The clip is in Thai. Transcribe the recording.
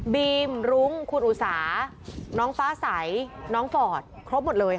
บีมรุ้งคุณอุสาน้องฟ้าใสน้องฟอร์ดครบหมดเลยค่ะ